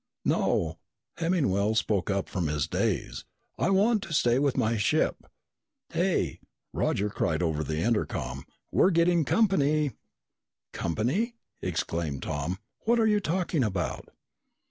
"No," Hemmingwell spoke up from his daze. "I want to stay with my ship." "Hey!" Roger cried over the intercom. "We're getting company!" "Company?" exclaimed Tom. "What're you talking about?"